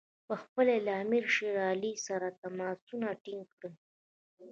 پخپله یې له امیر شېر علي سره تماسونه ټینګ کړي.